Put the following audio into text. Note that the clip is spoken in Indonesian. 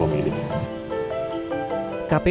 pemutakhiran data pemilih